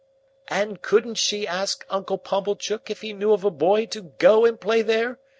"And couldn't she ask Uncle Pumblechook if he knew of a boy to go and play there?